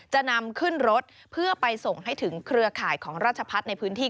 จะนำขึ้นรถเพื่อไปส่งให้ถึงเครือข่ายของราชพัฒน์ในพื้นที่